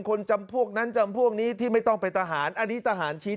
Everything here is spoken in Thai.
คนจำพวกนั้นจำพวกนี้ที่ไม่ต้องเป็นทหารอันนี้ทหารชี้